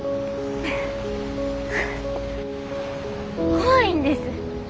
怖いんです。